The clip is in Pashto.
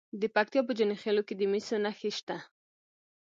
د پکتیا په جاني خیل کې د مسو نښې شته.